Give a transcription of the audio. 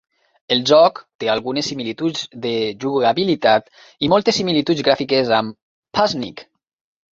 El joc té algunes similituds de jugabilitat i moltes similituds gràfiques amb "Puzznic".